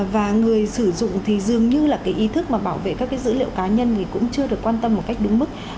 và người sử dụng thì dường như là cái ý thức bảo vệ các dữ liệu cá nhân cũng chưa được quan tâm một cách đúng mức